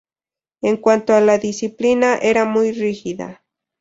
En cuanto a la disciplina, era muy rígida.